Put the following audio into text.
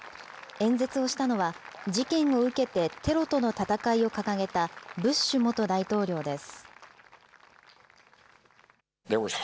演説をしたのは、事件を受けてテロとの戦いを掲げたブッシュ元大統領です。